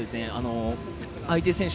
相手選手